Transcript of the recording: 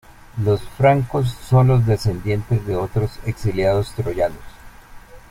Los francos son los descendientes de otros exiliados troyanos.